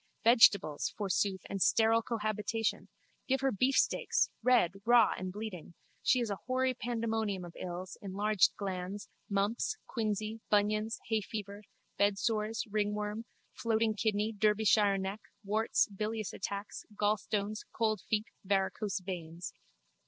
Vegetables, forsooth, and sterile cohabitation! Give her beefsteaks, red, raw, bleeding! She is a hoary pandemonium of ills, enlarged glands, mumps, quinsy, bunions, hayfever, bedsores, ringworm, floating kidney, Derbyshire neck, warts, bilious attacks, gallstones, cold feet, varicose veins.